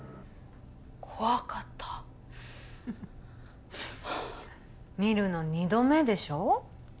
怖かったふふ見るの二度目でしょ？